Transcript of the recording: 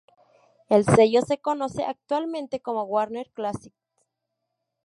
El sello se conoce actualmente como Warner Classics.